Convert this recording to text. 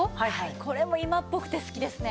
これも今っぽくて好きですね。